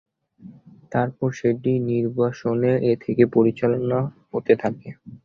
তারপর সেটি নির্বাসনে থেকে পরিচালিত হতে থাকে।